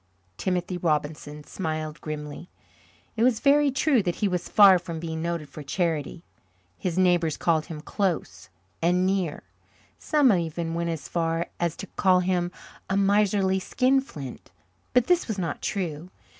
Timothy Robinson smiled grimly. It was very true that he was far from being noted for charity. His neighbours called him "close" and "near." Some even went so far as to call him "a miserly skinflint." But this was not true.